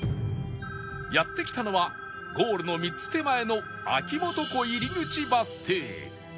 やって来たのはゴールの３つ手前の秋元湖入口バス停